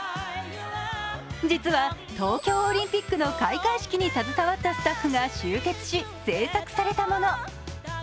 実は東京オリンピックの開会式に携わったスタッフが集結し制作されたもの。